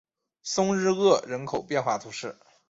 松日厄人口变化图示